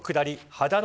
秦野